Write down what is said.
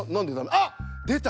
あっでた！